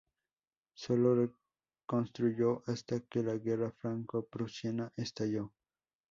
Sólo reconstruyó hasta que la Guerra Franco-prusiana estalló.